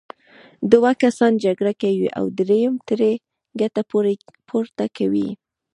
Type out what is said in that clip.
دوه کسان جګړه کوي او دریم ترې ګټه پورته کوي.